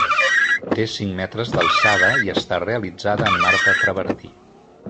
Té cinc metres d'alçada, i està realitzada en marbre travertí.